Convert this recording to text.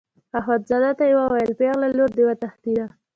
اخندزاده ته یې وویل پېغله لور دې وتښتېده.